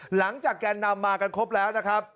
หลังจากแก่นนำมากันครบแล้วนะครับ